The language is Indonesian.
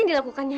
ini kita kemana